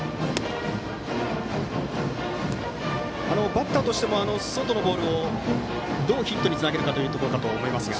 バッターとしても外のボールをどうヒットにつなげるかだと思いますが。